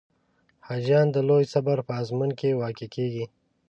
حاجیان د لوی صبر په آزمون کې واقع کېږي.